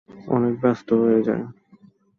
অনেক ব্যস্ত হয়ে যায়।